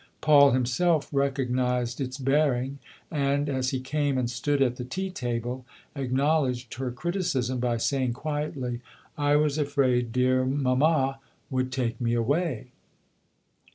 Paul himself recognised its bearing and, as he came and stood at the tea table, acknowledged her criticism by saying quietly :" I was afraid dear mamma would take me away."